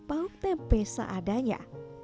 pauk tempe seadanya